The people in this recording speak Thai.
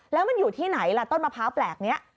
แล้วมันอยู่ที่ไหนล่ะต้นมะพร้าวแปลกนี้